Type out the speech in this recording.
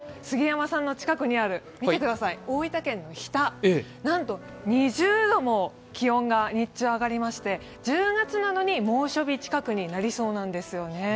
その気温差なんですけれども、杉山さんの近くにある大分県の日田、なんと２０度も気温が日中、上がりまして１０月なのに猛暑日近くなりそうなんですよね。